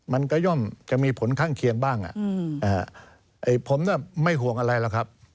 มันก็ย่อมจะมีผลข้างเคียงบ้างผมน่ะไม่ห่วงอะไรหรอกครับ